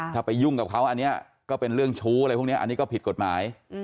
ถ้าไปยุ่งกับเขาอันนี้ก็เป็นเรื่องชู้อะไรพวกนี้อันนี้ก็ผิดกฎหมาย